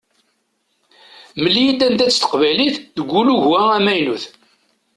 Mel-iyi-d anida-tt teqbaylit deg ulugu-a amaynut.